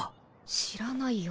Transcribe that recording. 知らないよ。